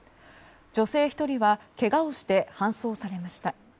女性１人はけがをして搬送されました。